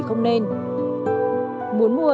không nên muốn mua